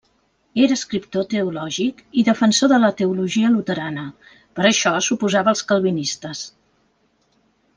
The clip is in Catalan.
Era escriptor teològic i defensor de la teologia luterana, per això s'oposava als calvinistes.